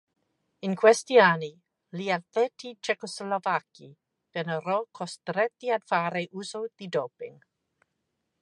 In questi anni gli atleti cecoslovacchi vennero costretti ad fare uso di doping.